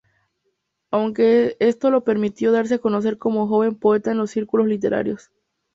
Aunque esto le permitió darse a conocer como joven poeta en los círculos literarios.